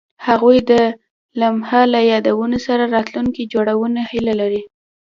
هغوی د لمحه له یادونو سره راتلونکی جوړولو هیله لرله.